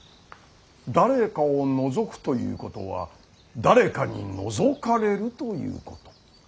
誰かをのぞくということは誰かにのぞかれるということ。